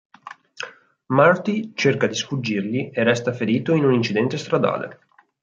Marty cerca di sfuggirgli e resta ferito in un incidente stradale.